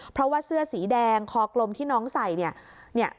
เพราะว่าเสื้อสีแดงคอกลมที่น้องใส่เนี่ย